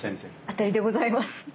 当たりでございます。